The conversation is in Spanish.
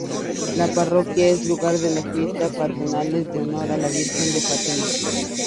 La parroquia es lugar de fiestas patronales en honor a la Virgen de Fátima.